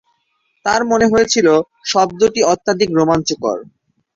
তাঁর মনে হয়েছিল, শব্দটি অত্যধিক রোমাঞ্চকর।